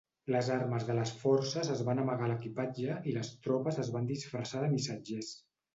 Les armes de les forces es van amagar a l"equipatge i les tropes es van disfressar de missatgers.